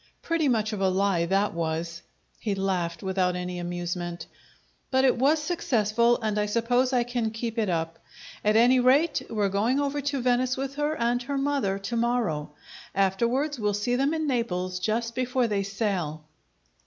Pretty much of a lie that was!" He laighed, without any amusement. "But it was successful, and I suppose I can keep it up. At any rate we're going over to Venice with her and her mother to morrow. Afterwards, we'll see them in Naples just before they sail."